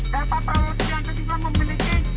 dan pak prawo subianto juga memiliki